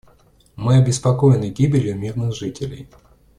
Мы обеспокоены гибелью мирных жителей.